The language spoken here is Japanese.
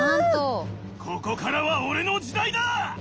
ここからは俺の時代だ！